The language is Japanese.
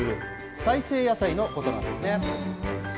再生野菜のことなんですね。＃